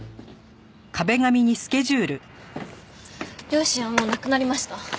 両親はもう亡くなりました。